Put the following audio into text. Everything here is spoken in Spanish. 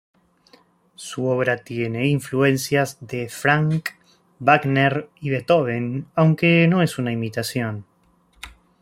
Su obra tiene influencias de Franck, Wagner y Beethoven, aunque no es una imitación.